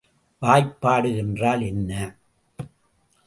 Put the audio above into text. வாய்பாடு என்றால் என்ன?